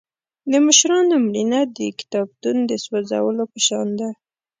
د مشرانو مړینه د کتابتون د سوځولو په شان ده.